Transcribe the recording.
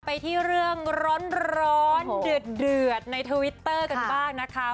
ไปที่เรื่องร้อนเดือดในทวิตเตอร์กันบ้างนะคะ